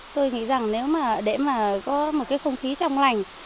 tôi nghĩ rằng để có một không khí trong lành